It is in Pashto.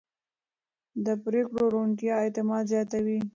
د پرېکړو روڼتیا اعتماد زیاتوي